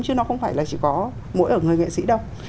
chứ nó không phải chỉ có mỗi người nghệ sĩ đâu